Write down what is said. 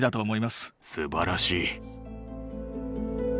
すばらしい。